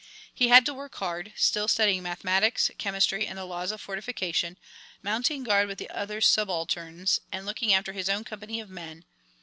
He had to work hard, still studying mathematics, chemistry, and the laws of fortification, mounting guard with the other subalterns, and looking after his own company of men.